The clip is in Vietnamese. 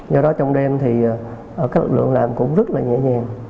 do đó trong đêm thì các lực lượng làm cũng rất là nhẹ nhàng